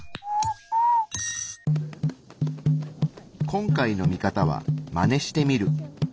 今回の見方は「マネしてみる」。